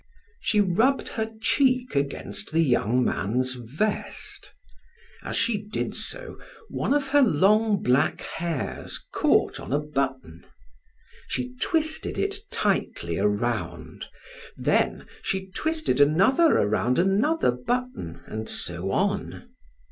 She rubbed her cheek against the young man's vest; as she did so, one of her long black hairs caught on a button; she twisted it tightly around, then she twisted another around another button and so on.